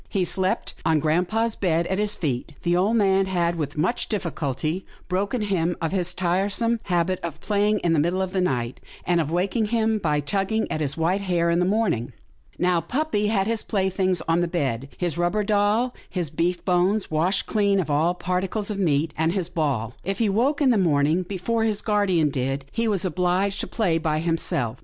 He slept on grampa' s bed at his feet. The old man had, with much difficulty, broken him of his tiresome habit of playing in the middle of the night, and of waking him by tugging at his white hair in the morning. Now, puppy had his playthings on the bed — his rubber doll, his beef bones washed clean of all particles of meat, and his ball. If he woke in the morning before his guardian did, he was obliged to play by himself.